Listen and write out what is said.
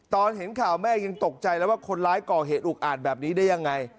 ตอนเห็นข่าวแม่ยังตกใจแล้วว่าคนร้ายก่อเหตุอุกอาจแบบนี้ได้ยังไง